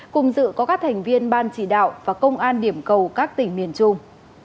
cùng dự có các thành viên ban chỉ đạo và công an điểm cầu các tỉnh miền trung